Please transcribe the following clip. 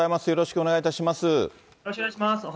よろしくお願いします。